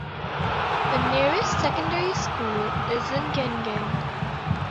The nearest secondary school is in Gin Gin.